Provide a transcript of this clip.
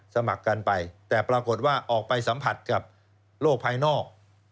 สมัครกันไปแต่ปรากฏว่าออกไปสัมผัสกับโลกภายนอก